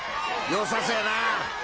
良さそうやな。